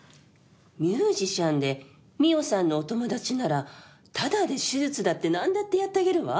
ミュージシャンで澪さんのお友達ならタダで手術だってなんだってやってあげるわ。